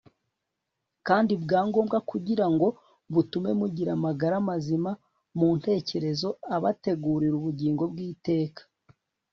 kandi bwa ngombwa kugira ngo butume mugira amagara mazima mu ntekerezo, abategurira ubugingo bw'iteka